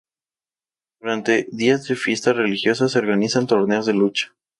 Durante días de fiesta religiosa se organizan torneos de lucha.